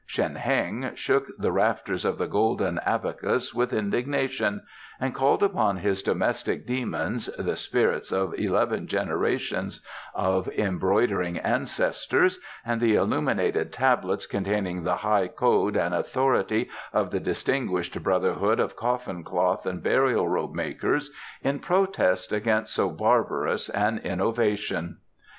Shen Heng shook the rafters of the Golden Abacus with indignation, and called upon his domestic demons, the spirits of eleven generations of embroidering ancestors, and the illuminated tablets containing the High Code and Authority of the Distinguished Brotherhood of Coffin Cloth and Burial Robe Makers in protest against so barbarous an innovation.